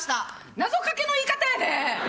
謎かけの言い方やで！